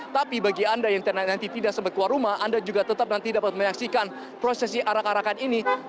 tapi bagi anda yang nanti tidak sempat keluar rumah anda juga tetap nanti dapat menyaksikan prosesi arak arakan ini